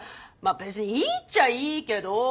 別にいいっちゃいいけど。